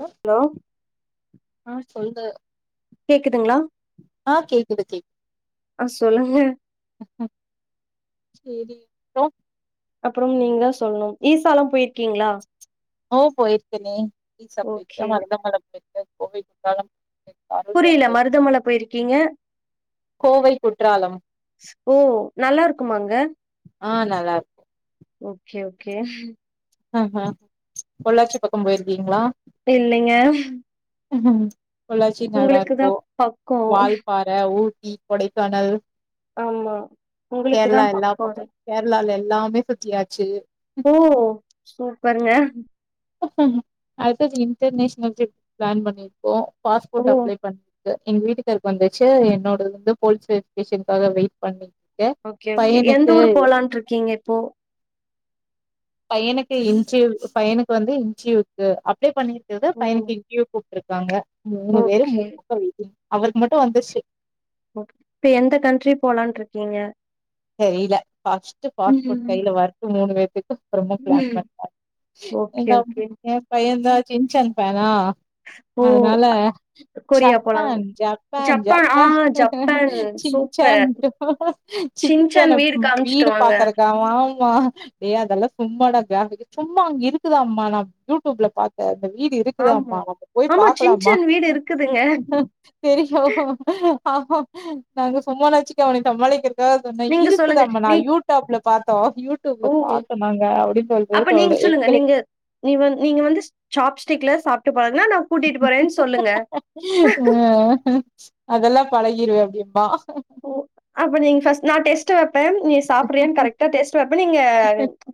Hello லோ ஆ சொல்லு கேக்குதுங்ளா ஆஹ் கேக்குது கேக் ஆ சொல்லுங்க சேரி ப அப்புறம் நீங்க தா சொல்லணு ஈஸா லா போயிருக்கீங்களா ஓ போயிருக்கெனே இ சப்தெ ஓகே [unintelligible] போய்கலா புரியல மருதமல போயிருக்கீங்க கோவை குற்றாலம் ஓ நல்லா இருக்குமாங்க ஆஹ் நல்லா இருக்கு ஓகே ஓகே அஹ்ஹ பொள்ளாச்சி பக்கம் போயிருக்கீங்களா இல்லங்க உஹ்ம் ஹ்ம் பொள்ளாச்சி நல்லா இருக்கு பக்கோ வால் பாற ஊ இ கொடைக்கானல் ஆமா உங்களுக்கு தா கேரளா எல்லா பக்கோ அது பக்க கேரளால எல்லா எல்லாமே சுத்தியாச்சு ஓ சூப்பருங்க அடுத்தது இன்டர்நேஷனல் ட்ரிப் பிளான் பண்ணிருக்கோ பாஸ்போர்ட் ஓ அப்ளை பண் அ எங்க வீட்டுக்கருக்கு வந்துச்சு என்னோடது வந்து போலீஸ் வெரிஃபிகேஷன்காக வெயிட் பண்ணி ஓகே ஓகே எந்த ஊரு போலான்ட்டு இருக்கீங்க இப்போ பையனுக்கு இன்டெர்வியு பையனுக்கு வந்து இன்டெர்வியூக்கு அப்ளை பண்ணி குது ம் பையனுக்கு இன்ட்ர்வியூ கூப்ட்றுக் க்காங்க மூணு பேரு ஓகே மூணு பக்கொ வீக்கி அவருக்கு மட்டு வந்துச்சு ஒ இப்ப எந்த கண்ட்ரி போலான் இருக்கீங்க தெரில ஃபர்ஸ்ட் ம் பாஸ்போர்ட் கையில வரட்டும் மூணு பேர் எப்ப அப்பறமா பிளான் ம் பண்ற ஓகே எங்க அம்மா ஓகே எ பைய தா சின் சன் பேனா ஓ அதனால கொரியா போலாங் ஜப்பான் ஜப்பான் ஆ Japan Japan super. Shinchan Shinchan வீடு காமிச்சுட்டு சின்ச்சான்வீடு வாங்க. பாக்கறக்கா ஆமா ஏ அதெல்லா சும்மாட கிரபிக் சும்மா அங்க இருக்குதா அம்மா நா யூடியூப்ல பாத்தே அ வீடு ஆமா. இருக்குதமா நங்க போய் ஆமா பாக்கலாம ஷின்சான் வீடு இருக்குதுங்க. தெரியு ஆ நாங்க சும்மா நாச்சுக்க அவன சம்மாளிக்கிறதுக்கு து ஒ நீங்க சொல்லுங்க. இருக்குதம்மா நா நீ யூடப்ல பாத்தோ ஓ யூடியூப்ல பாத்தோ நாங்க அப்டின்னு சொல்றே அப்ப நீங்க சொல்றே சொல்லுங்க எங்களுக்கு நீங்க நீ வ நீங்க வந்து சாப்ஸ்டிக்ல சாப் பழகுனா, நான் கூட்டிட்டு போறேன்னு சொல்லுங்க. ஆ அதெல்லா பழகிருவே அப்படிம்பா ஓ அப்ப நீங்க பர்ஸ்ட் நா டெஸ்ட் டப் நீ சாப்பிரியா கரெக்டா டெஸ்ட் வெப்பே நீங்க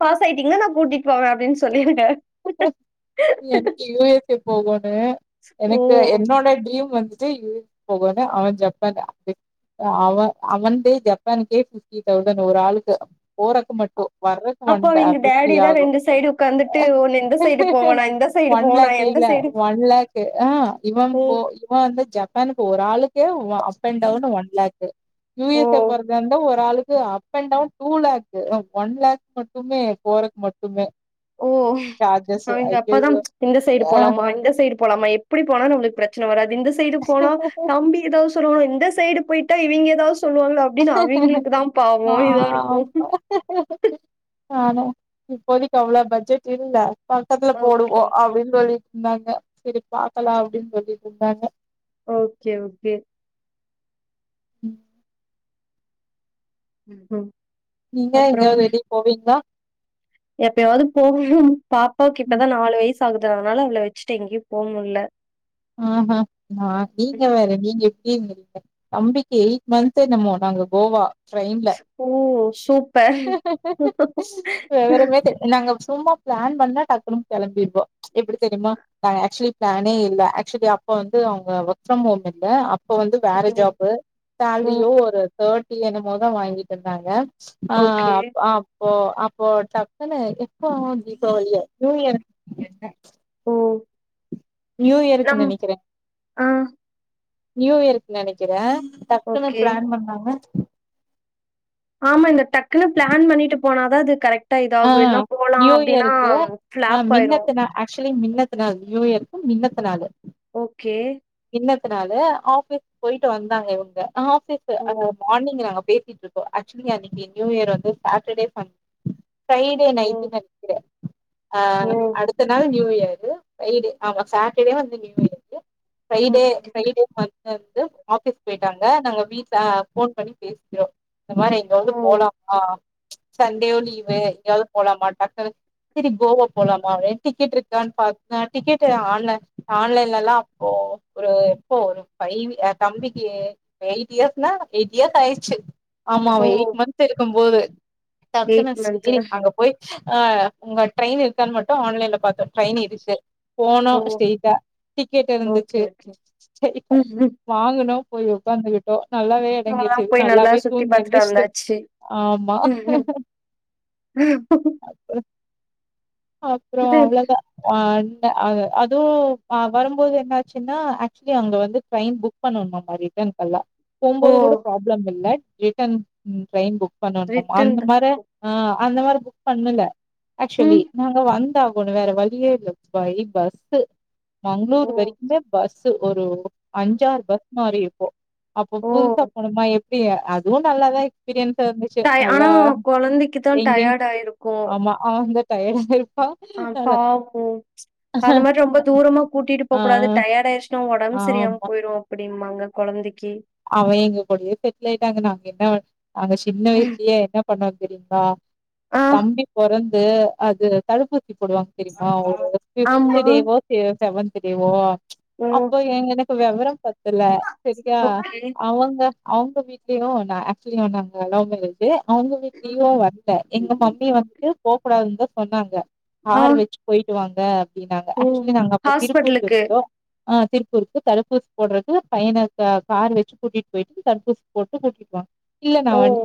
பாசயிட்டீங்கா நா கூட்டிட்டு போவே அப்படின்னு சொல்லிடுங்க எனக்கு யு எஸ் எ போகனு ஓ! எனக்கு என்னோட டீரிம் வந்து ற்று யு எஸ் போகனு அவன் ஜப்பான் அவன்தே ஜப்பானுக்கே பிப்டி தௌசண்ட் ஒரு ஆளுக்கு போறக்கு மட்டு வர்றக்கு ஒன் அப்ப இங்க ஃபிஃப்டி டேடி தா ஆகு ரெண்டு சைடு உக்காந்துட்டு ஒன் லேக் எந்த இல்ல சைடு ஒன் லேக் ஆ இவ இ ஓ! போ இவன் வந்து ஜப்பானுக்கு ஒரு ஆளுக்கு [unintelligible] அப் and down one lakh U S A ஓ! போறதா இருந்தா ஒரு ஆளுக்கு up and down two lakh one lakh மட்டுமே போரக்கு மட்டுமே ஓ சார்ஜஸ் அவங்க அப்பதா ஐயயோ இந்த சைடு போலாமா இந்த சைடு போலாம எப்பிடி போனா நம்முளுக்கு பிரச்சன வராது இந்த சைடு போனா தம்பி ஏதாவது சொல்லவா இந்த சைடு போயிட்டா இவங்க ஏதாவது சொல்லுவாங்களா அப்படின்னு அவங்களுக்கு தா பாவோ ஆ இதா இருக்கும் ஆனா இப்போதைக்கு அவ்வளோ பட்ஜெட் இல்ல பக்கத்துல போடுவோ ஓகே அப்பிடினு சொல்லி இருந்தாங்க சரி பாக்கலா அப்படின்னு சொல்லிட்டு இருந்தாங்க ஓக்கே ஓக்கே உம் உம் நீங்க எங்கயாவது வெளிய போவீங்களா எப்பயாவது போகனு பாப்பாவுக்கு ம். இப்பதா நாலு வயசு சாகுது அதனால அவளை வச்சுட்டு எங்கேயு போக முடில ஆ ஹ நா நீங்க வேற நீங்க இங்க இங்க தம்பிக்கி எயிட் மந்த் என்னமோ நாங்க கோவா ட்ரெயின்ல ஓ சூப்பர் விவரமே தெ நாங்க சும்மா பிளான் பண்ணா டக்குனு கிளம்பிடுவோ எப்டி தெரியுமா நாங்க ஆக்சுவலி பிளானே இல்ல ஆக்சுவலி அப்ப வந்து அவங்க ஒர்க் ப்ரம் ஹோம் இல்ல இப்ப வந்து வேற ஜாப் ஓ சலரியோ ஒரு தர் இல்ல என்னுமொ போதுதா வாங்கிட்டு இருந்தாங்க ஆ‌ ஓகே ஆ ப் அப்போ அப்போ டக்குனு தான் எப்போ வாளி ல்ல நுயர் ஓ நியூயெருக்கு நம் நெனைக்கிறே ஆ நியூ இயர்க் நெனைக்கிறே டக்குன்னு ஓகே பிளான் பண்ணாங்க ஆமா இந்த டக்குன்னு பிளான் பண்ணிட்டு போனாதா அது கரெக்ட் ஆ இதாகு எல்லா போலா நியூ அப்டின்னா பிளாப் ஆயிரு மின்னத்த நாளு நியூ இயர்க மின்னத்த நாளு ஓகே முன்னத்தினால ஆபீஸ் போயிட்டு வந்தாங்க இவ்ங்க ஆபீஸ் ஓ! அத மார்னிங் நாங்க பேசிட்டு இருக்கோ ஆக்சுவலி அன்னைக்கு நியூ இயர் வந்து சாட்டர்டே சன்டே ஃரைடே ஓ! நாயிட் நெனக்கிற ஆ ஓ! அடுத்த நாள் நியூயார் து ஃபரைடே ஆமா சாட்டர்டே வந்து நியூ இயர் ஃப்ரைடே ஓகே. பெலிடேஸ்மண்ட் வந்து ஆபிஸ் போயிட்டாங்க நாங்க வீட்டு்ல போன் பண்ணி பேசிறோ இந்த மாரி இங்க ஓ! வந்து போலாம்மா சண்டே லீவு எங்கயாவது போலாமா டக்குனு செரி கோவா போலாமா அப்பனு டிக்கெட் இருக்கான்னு பா டிக்கெட் ஆன்லை ஆன்லைன்லலா ஓ ஒரு எப்போ ஒரு ஃவ்பை தம்பிக்கு எயிட் இயர்ஸ்னா எயிட் இயர்ஸ் ஆயிடுச்சு ஆமா ஓ! எயிட் மந்த் இருக்கு போது டக்குன்னு மந்த்து. செரி அங்க போய் ஆ உங்க ட்ரெயின் இருக்கான் மட்டும் ஆன்லைன்ல பாத்து ட்ரெயின் இருக்கு ஓ! போனும் ஸ்ரெட்டா கேட்டு ஓகே, இருந்துச்சி ஓகே. [unintelligible] வாங் குனோ போய் ஒக்காந்துகிட்டோ நல்லாவே அங்கலாம் எடங்கெச்சது போய் நல்லா நல்லாவே சுத்தி தூங்கி பாத்துட்டு எந்திர்ச்சி வந்தாச்சு. ஆம்மா ம்ஹும். அப்பற அப்றோம் இது அவ்ளோதான் ஆ அ அத அதும் பா வரும்போது என்னாச்சின்னா ஆக்சுலி அங்க வந்து ட்ரெயின் புக் பண்ணணுமா பா ரிட்டென்கல்லா ஓ! போம்போது கூட ப்ராப்ளமில்ல ரிட்டென் ம் ட்ரெய்ன் புக் பண்ணுமா ரிட்டர்ன் அந்த தான். மாரே ஆ அந்த மாரி புக் பண்ணல்ல ஆக்ஷுலி ம். நாங்க வந்தா குனும் வேர வாலிய இல்ல [unintelligible] பஸ்ஸு ஓ! பெங்களூரு வரிக்குமே பஸ் ஸு ஒரு அஞ்சாற் பஸ் மாறி இருப்போ அப்போ ஓ! புதுசா போனுமா எப் டியே அதுவும் நல்லாதான் எக்ஸ்பீரியன்ஸா இருந்திச்சி டய நல்லா ஆனா குழந்தைக்கு தான் எங்கே டயர்ட் ஆம்மா அவ வந்து டய [unintelligible] ஆ பாகும் அந்த மாரி ரொம்ப தூரமா கூட்டிட்டு போ கூடாது ஆ டயடா ஆய்ச் ஒடம் சரியாம ஆமா. போயிரும் அப்புடின் வாங்க கொழந்திக் அவன் எங்கக்கூடயே செட்லாய்டாங்க நாங்க என்னா நாங்க சின்ன வயஸ்லயே என்ன பண்ணோத் செரிங்களா ஆ, தம்பி பொறந் து அது தடுப்பூ சி போடுவாங் தெரியுமா ஒரு ஃபித்து ஆமா. டேவோ செவன்த்து டேவோ ஓ! அப்போ எங்கனுக்கு வெவொர பத்துல செரியா ஓகே. அவங்க அவ்ங்க வீட்லயு நா ஆக்சுவலி நாங்க லவ் மேரேஜ் அவ்ங்க வீட்லியு வர்ல எங்க மம்மி வந்துட்டு போ கூடாதுனுதா சொன்னாங் ஆ, கார் வெச்சு போய்ட்டு வாங் டினாங்க ஓ! ஆக்சுவலி நாங்க அப்ப திருப்பூர் ஹாஸ்பிட்டலுக்கு. போய்ருந்தோ அ திருப்பூருக்கு தடுப்பூசி போடுறதுக்கு பையன கார் வெச்சு கூட்டிட்டு போய்ட்டு தடுப்பூசி போட்டு கூட்டிட் வந் இல்ல ஓ! நான்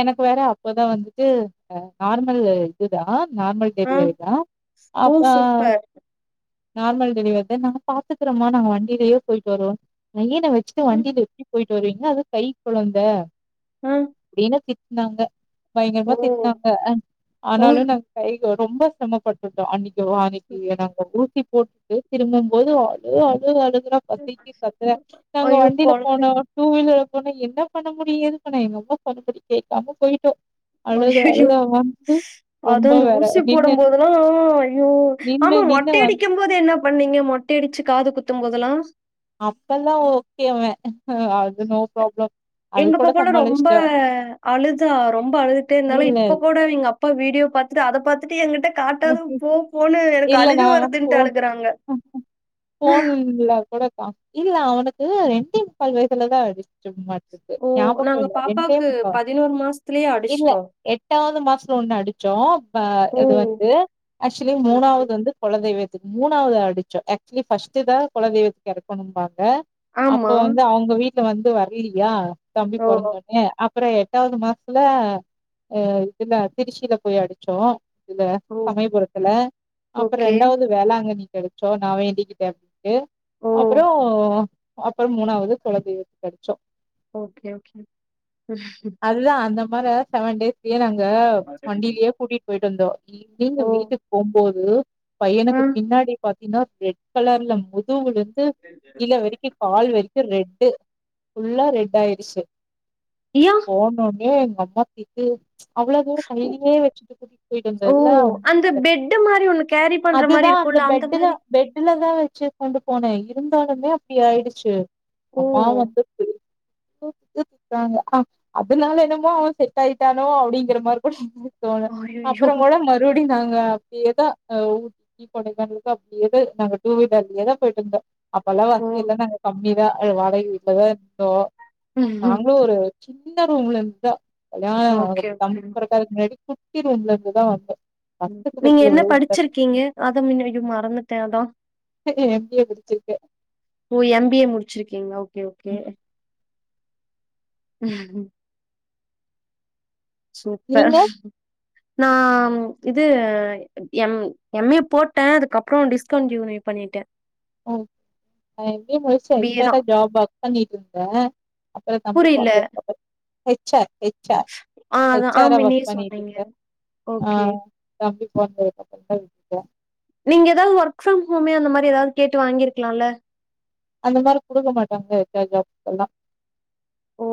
எனக் வேற அப்பதா வந்துட்டு அ நார்மல் இதுதா நார்மல் ஆ, டெலிவரி தா ஓ! அப்ப சூப்பர். நார்மல் டெலிவரி தா நாங்க பாத்துக்கறமா நாங்க வண்டிலயே போயிட்டு வறோ பையன வச்சுட்டு வண்டில எப்டி போய்ட்டு வருவீங்க அது கை கொழந்த ஆ, வீனாதி நாங்க ஓ! பயங்கரமா திட்னாங்க ஓ! ஆனாலு நாங்க கை ரொம்ப ஸ்ரமப்பட்டுடோ அன்னிக் யோ அன்னிக்கி நாங்க ஊசி போட்டு திரும்பம்போது அழு அழு அழு துற பசிக்கி கத்துற நாங்க ஐயோ! வண்டில கொழந்தை போன டூ வீலர் ல போன என்ன பண்ண முடியு ஏது பண்ண முடியு எங்க அம்மா சொன்னபடி கேக்காம போயிட்டோ ஐயயோ ரொம்ப அதுந்த வேற ஊசி நின்னு போடும்போதுலா ஐயோ நின்னு ஆமா நின்னு ஒட்டை வந் அடிக்கும்போது என்னப் பண்ணீங்க மொட்டை அடிச்சு காது குத்தும்போதுலா அப்பலா ஓகே அவ அது நோ ப்ராப்ளம் அது எங்க அப்பா கூட போல ரொம்ப சமாளிச்சுட்டா. அழுதா ரொம்ப அழுதுட்டே இருந்தாலு இல்ல இப்ப இல்ல. கூட எங்க அப்பா வீடியோ பாத்துட்டு அத பாத்து து எங்குட்ட இல்லன்னா நா வருதுன்ட்டு ஃபோன் அழுகுறாங்க. ஃபோன்ல கூட இல்ல அவனுக் இல்ல ரெண்டே முக்கால் வய்சுல தா அடி சும்மாட்டுக்கு ஓ! ஞாபகோ நாங்க இல்ல ரெண்டே பாப்பாவுக்கு முக்கா மாசத்துலயே இல்ல அடிச்சுட்டோம். எட்டாவது மாசதுல ஒன்னு அடிச்சோ ஓ! இது வந்து ஆக்சுவலி ஓகே. மூணாவது வந்து கொ லதெய்வத்துக்கு மூணாவது அடிச்சோ ஆக்சுவலி ஃபர்ஸ்ட்தா கொலதெய்வத்துக்கு இருக்கணும்பாங்க அப்போ ஆமா. வந்து அவுங்க வீட் ல வந்து வர்லியா தம்பி ஓ! பொறந்தொன்னே அப் புறோ எட்டாவுது மாசத்துல இதுல திருச்சில போய் அடிச்சோ இதுல ஓ! சமயபுரத்துல அப்புறோ ஓகே. ரெண்டாவது வேளாங்கண்ணி கெடச்சோ நா வேண்டிக்கிட்ட ஓ! [unintelligible] அப்புறோ அப்புறோ மூணாவது குலதெய்வத்துக்கு அடிச்சோ ஓகே ஓகே மாற செவன் டேஸ் ஏ நாங்க வண்டியிலயே கூட்டிட்டு போயிட்டு வந்தோ உங்க ஓ! வீட்டுக் போம்போ து ஆ. பய்யனுக்கு பின்னாடி பாத் என்னோ ரெட் கலர்ல முதுவுலந் து கீழ வரிக்கி கால் வரிக்கு ரெட்டு ஃபுல்லா ரெட்டாய்டுச்சு யா! போணுனே அம்மா திட்டு ப்ச் அவ்ளோ தூரோ கையிலயே வெச்சுட்டு கூட்டிட்டு போயிட்டு ஓ! வந்தோல்ல அந்த பெட்டு மாரி ஒண்ணு கேரி பண்ற மாரி இருக்குல்ல அந்த மாரி லதா வெச்சு கொண்டு போன இருந்தாலுமே அப்டி ஆயிடுச்சூ ஓ! அம்மா வந்து தாங்க அதுனால என்னமோ அவ செட்டாயிட்டானோ அப்பிடிங்கிற மாரி கூட தோணு அய்யய்யோ! அப்புறோங் கூட ம நாங்க அப்டியேதா ஊட்டி கொடைக்கானள்க்கு அப்டியேதா நாங்க டூவீலர்லயேதா போயிட்டு வந்தோ அப்பெல்லா வசதி எல்லா நாங்க கம் மிதா அ வாடக வீட்லதா இருந்தோ ஓ! நாங்களு ஒரூ சின்ன ரூம்லந்தா அதா அது ஓகே ஓகே. தம்பி பொரக்காததுக்கு முன்னாடி குத்திருள்ளந்துதா அப்போ [unintelligible] நீங்கெ என்னெ படிச்சிருக்கீங்கெ அத மின்னு [unintelligible] மறந்து தெதொ எம் பி யெ முடிச்சிருக்கே ஓ எம் பி ஏ முடிச்சிருக்கீங்க ஓகே ஓகே உஹம் உஹம் சூப்பர் நீங்க நான் இது எம் எம் ஏ போட்டேன் அதுக்கப்புறம் டிஸ்கன்டினியு பண்ணிட்டேன் மு ஜ [unintelligible] பிஏ தான். ப் ஒர்க் பண்ணிட்டு இருந்தேன் அப்புறம் தம்பி புரியல. [unintelligible] சரி ஹெச் ஆர் ஆ அதான் ஹெச் ஆ ஆர ஒர்க் முன்னயே பண்ணிட்டு சொன்னீங்க. இருக்கிறேன் அ ஓகே. தம்பி [unintelligible] [unintelligible] நீங்க ஏதாவது ஒர்க் ஃப்ரம் ஹோமே அந்த மாதிரி ஏதாவது கேட்டு வாங்கிருக்கலாம்ல அந்த மாதிரி குடுக்க மாட்டாங்கா ஹெச் ஆர் ஜாப்க்கு எல்லாம் ஓ!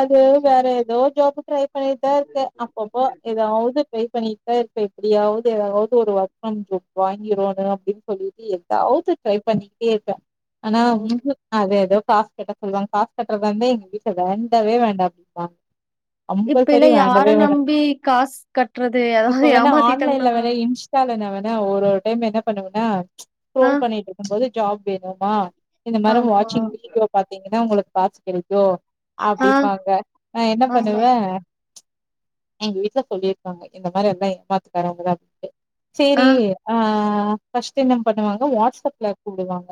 அது வேற ஏதுோ ஜாப் ட்ரை பண்ணிட்டுதான் இருக்க அப்பப்போ ஏதாவது டிரை பண்ணி இருப்ப எப்படியாவ ஏதாவது ஒரு வொர்க் ஃப்ரம் ஹோம் வாங்கிரோணு அப்படின்னு சொல்லிட்டு ஏதாவது ட்ரை பண்ணிக்கிட்டே இருப்பேன் ஆனா ஓ! ஊஹூம் அது ஏதோ காச கட்ட சொல்லுவாங்க காசு கட்டுறதந்தே எங்க வீட்டுல வேன் டவே வேண்டாம் அப்படின்பாங்க இப்பல்லாம் யார நம்பி காசு கட்டுறது அதாவது இப்ப ஏமாத்திட்டங்கனாங்களா என்ன ஒரு ஒரு டைம் என்ன பண்ணுவனா ஆ ட்ரோல் பண்ணிட்டு இருக்கும்போது ஜாப் வேணும்மா இந்த மிரம் ஆமா. வாட்சிங் வீடியோ பாத்தீங்கன்னா உங்களுக்கு காசு கிடைக்கும் ஆ அப்படிமாங்க நான் என்ன ஆமா. பண்ணுவேன் எங்க வீட்டுல சொல்லியிருக்காங்க இந்த மாதிரி எல்லாம் ஏமாத்துக்காரங்கதான் அப்படின்ட்டு ஆ சேரி ஆஹ் ஃபர்ஸ்ட் என்ன பண்ணுவாங்க வாட்ஸ்அப்ல கூப்டுவாங்க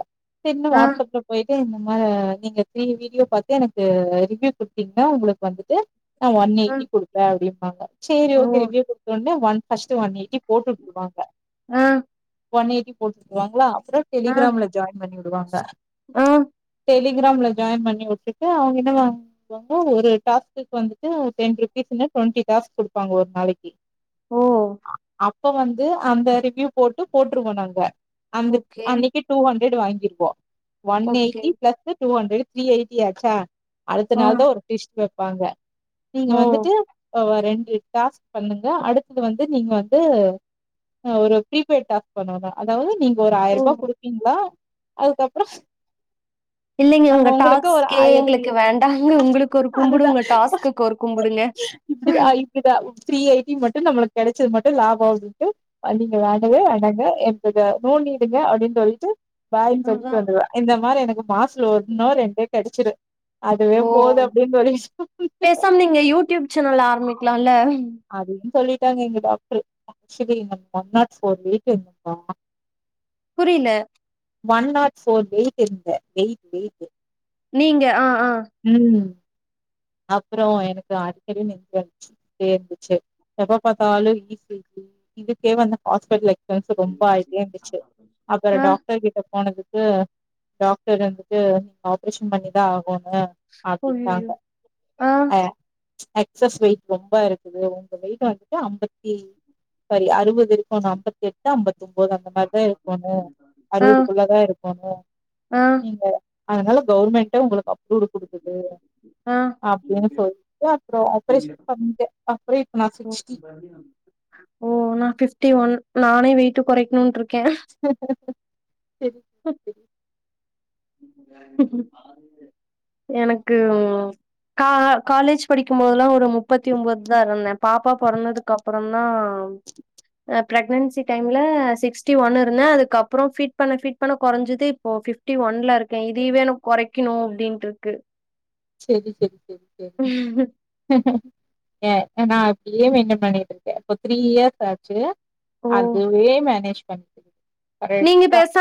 என்ன ஆ வாடஸ்அப்ல போயட்டு ம் இந்த மாரி நீங்க த்ரீ வீடியோ பாத்து எனக்கு ரிவி ரிவியூ குடுத்தீங்னா உங்களுக்கு வந்துட்டு நா ஒன் ஆ. எயிட்டி குடுப்பே அப்டிம்பாங்க, சேரி ஓ! ஓகே ரிவியூ குடுத்தோனே ஒன் ஃபர்ஸ்ட் ஒன்எயிட்டி ங்கி போட்டுவுட்ருவாங்க ஆ ஒன் எயி கி குடுத்துக்குவாங்களா அப்றோ ஆ டெலிகிராம்ல ஜாயின் பண்ணி விடுவாங்க, ஆ டெலி கிராம்ல ஜாயின் பண்ணி வுட்டுட்டு அவங்க என்ன வா வாங்க ஒரு டாஸ்க்குக்கு வந்துட்டு டென் ருபீஸ்ன்னு டுவெண்டி டாஸ்க் குடுப்பாங்க ஒரு நாளைக்கி ஓ அ அப்ப வந்து அந்த ரிவ்யூ போட்டு போட்ருவோ நாங்க அந்த ஓகே அன்னைக்கே டூ ஹன் ஹண்ட்ரடு வாங்கிருவோ one okay eighty plus two hundred three eighty ஆச்சா இத்தன ஆ நாள்தா ஒரு பீஸ் ப்பாங்க நீங்க ஓ வந்துட்டு ஆ ஒரு ரெண்டு டாஸ்க் பண்ணுங்க அடுத்து வந்து நீங்க வந்து அ பீரிபெய்ட் டாஸ் பண்ணுவீங்க அதாவது நீங்க ஒரு ஓ ஆயிரம் ரூபாய் குடுப்பீங்களா அதுக்கப்பறம் ஸ் இல்லீங்க உங்க டாக்ஸ்கே எங்களுக்கு வேண்டாம் அதுதான் கும்புடுங்க இப்பிடிான் இப்பிடிதான் ஓரு த்ரீ எய்ட்டி மட்டும் நம்மளுக்கு கிடைச்சது மட்டும் லாப வந்துத்து அ நீங்க வேண்டவே வேண்டாங்க போயிட்டு நோ நீடுங்க அப்பிடின்னு சொல்லிட்டு பாயின்னு அதா சொல்ட்டு வந்துருவன் இந்த மாரி எனக்கு அப்ப மாசத்தல ஒரு நாள் என் பேர் கெடச்சுிரும் அதுவே ஓ போது அப்டின்னு சொல்லிட்டு பேசாம நீங்க யூடியூப் சேனல் ஆரம்பிக்கலாம்ல அதுன்னு சொல்லிட்டாங்க எங்க doctor actually one not four weight இருந்தப்பா புரில ஒன் நாட் ஃபோர் வெயிட் இருந்த வெயிட் வெயிட் நீங்க ஆ ஆ உம் அப்புறோ எனக்கு அடிக்கடி நெக் [unintelligible] இருந்துச்சுே இருந்துச்சு எப்ப பாத்தாலு இதுக்கே வந்து ஹாஸ்பிடல் [unintelligible] ரொம்ப ஆய்ட்டே இருந்துச்சு அப்புறோ ஆ டாக்டர் கிட்ட போனதுக் வந்து டாக்டர் வந்துட்டு நீங்க ஆப்ரேஷன் பண்ணிதா ஆகோணு அய்யய்யோ ஆ எக்சஸ் வெயிட் ரொம்ப இருக்குது உங்க வெயிட் வந்துட்டு ஐம்பத்தி சாரி அறுபது இருக்கனு ஐம்பத்தி எட்டு ஐம்பத்தி ஒன்பது அந்த மாதிரி தா இருக்கோணு ஆ அறுபதுக்குள்ளதா இருக்கோணு ஆ நீங்க அதனால கவுவர்மெண்ட் உங்களுக்கு அப்ரூவ் ஆ அப்படின்னு சொல்லிட்டு அப்புறோ ஆப்ரேஷன் பண்ணிட்ட அப் ஓ ஓ நா ஃபிப்டி ஒன் நானே வெயிட்டு கொறைக்கணுட்டு இருக்க ஹ சேரி சேரி எனக்கு காலேஜ் படிக்கும்போதுல்லா ஒரு முப்பத்தி ஒம்போது தா இருந்தே பாப்பா பொறந்ததுக்கு அப்புறோதா பிரெக்னன்சி டைம்ல சிக்ஸ்டி ஒன்ன இருந்தே அதுக்கப்புறோ ஃபீட் பண்ண ஃபீட் பண்ண கொறஞ்சது இப்ப பிப்டி ஒன் ஒன் ல இருக்கே இதயவே நா கொரைக்கனு அப்படின்ட்டு இருக்கு செரி செரி செரி செரி ஏ நா அப்படியே மெயின்டைன் பண்ணிட்டு இருக்கே இப்போ த்ரீ இயர்ஸ் ஆச்சு ஓ அதுவே மேனேஜ் ப நீங்க கரெக்டா பேச